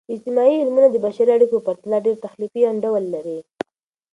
اجتماعي علمونه د بشري اړیکو په پرتله ډیر تخلیقي انډول لري.